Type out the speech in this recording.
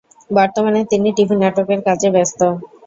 বর্তমানে তিনি টিভি নাটকের কাজে ব্যস্ত।